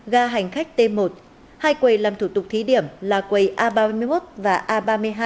ga hành khách t một hai quầy làm thủ tục thí điểm là quầy a ba mươi một và a ba mươi hai